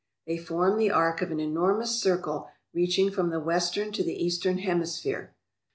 They form the arc of an enormous circle reaching from the western to the eastern hemisphere.